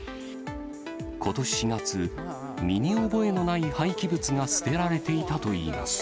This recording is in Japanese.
ことし４月、身に覚えのない廃棄物が捨てられていたといいます。